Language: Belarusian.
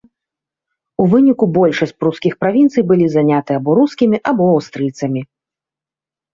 У выніку большасць прускіх правінцый былі заняты або рускімі, або аўстрыйцамі.